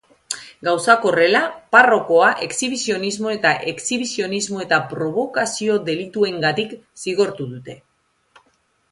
Gauzak horrela, parrokoa exhibizionismo eta exhibizionismo eta probokazio delituengatik zigortu dute.